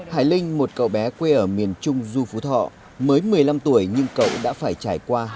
hải linh một cậu bé quê ở miền trung du phú thọ mới một mươi năm tuổi nhưng cậu đã phải trải qua